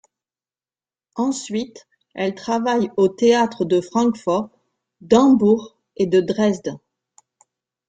Ensuite, elle travaille aux théâtres de Francfort, d'Hambourg et de Dresde.